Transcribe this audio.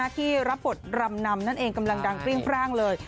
ที่รับบทรำนำนั่นเองกำลังดังเปรี้ยงพร่างเลย